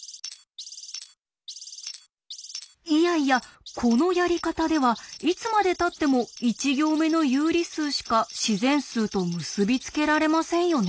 いやいやこのやり方ではいつまでたっても１行目の有理数しか自然数と結び付けられませんよね。